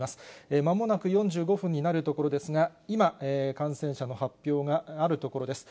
まもなく４５分になるところですが、今、感染者の発表があるところです。